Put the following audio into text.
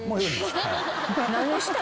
何した？